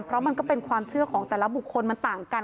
เพราะมันก็เป็นความเชื่อของแต่ละบุคคลมันต่างกัน